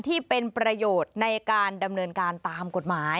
ที่เป็นประโยชน์ในการดำเนินการตามกฎหมาย